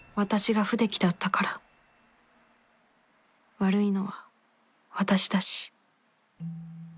悪いのは私だし